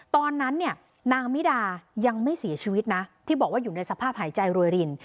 ตอนนั้นเนี่ยนางมิดายังไม่เสียชีวิตนะที่บอกว่าอยู่ในสภาพหายใจรวยริน